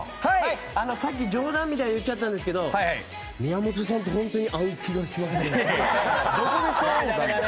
さっき冗談みたいに言っちゃったんですけど宮本さんとは本当に合う気がします。